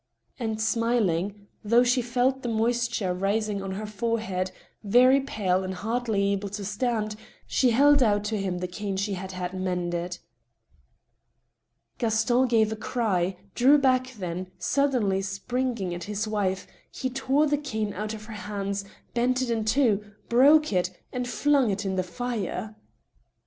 And smiling, though she felt the moisture rising on her forehead, very pale, and hardly able to stand, she held out to him the cane she had had mended. Gaston gave a cry, drew back, then, suddenly springing at his wife, he tore the cane out of her hands, bent it in two, broke it, and flung it in the fire.